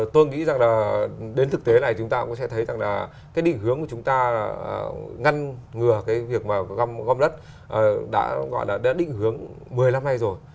tôi nghĩ rằng là đến thực tế này chúng ta cũng sẽ thấy rằng là cái định hướng của chúng ta là ngăn ngừa cái việc mà gom đất đã gọi là đã định hướng một mươi năm nay rồi